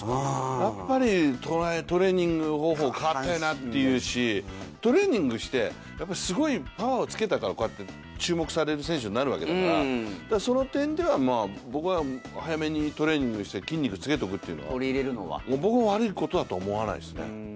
やっぱりトレーニング方法変わったよなって思うしトレーニングして、すごいパワーをつけたからこうやって注目される選手になるわけだから、その点では僕は早めにトレーニングして筋肉つけておくっていうのは悪いことだとは思わないですね。